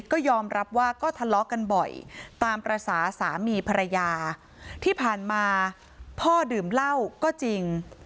ก็ยอมรับว่าก็ทะเลาะกันบ่อยตามภาษาสามีภรรยาที่ผ่านมาพ่อดื่มเหล้าก็จริง